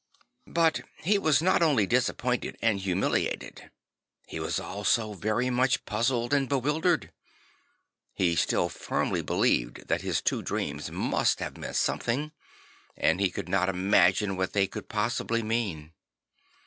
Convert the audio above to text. But he was not only disappointed and humili ated; he was also very much puzzled and bewild ered. He still firmly believed that his two dreams must have meant something; and he could not imagine what they could possibly mean.